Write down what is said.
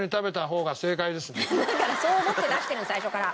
だからそう思って出してるの最初から。